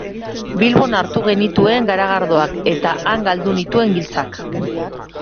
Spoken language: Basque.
Bilbon hartu genituen garagardoak eta han galdu nituen giltzak.